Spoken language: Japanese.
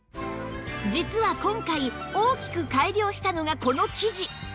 実は今回大きく改良したのがこの生地